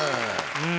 うん。